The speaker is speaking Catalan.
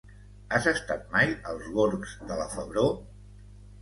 Has estat mai als gorgs de la Febró?